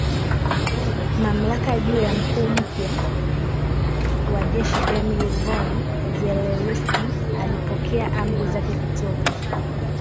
mamlaka juu ya mkuu mpya wa jeshi Emil von Zelewski aliyepokea amri zake kutoka